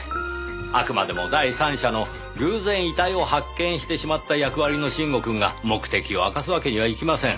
あくまでも第三者の偶然遺体を発見してしまった役割の臣吾くんが目的を明かすわけにはいきません。